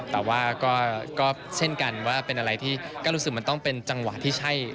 แต่ว่าก็เช่นกันว่าเป็นอะไรที่ก็รู้สึกมันต้องเป็นจังหวะที่ใช่